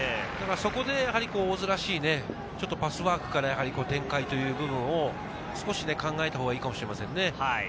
そこで大津らしいパスワークから展開という部分を少し考えたほうがいいかもしれませんね。